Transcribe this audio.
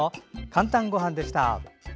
「かんたんごはん」でした。